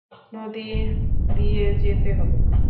নদী দিয়ে যেতে হবে।